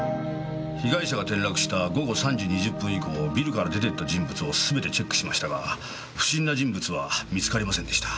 被害者が転落した午後３時２０分以降ビルから出て行った人物をすべてチェックしましたが不審な人物は見つかりませんでした。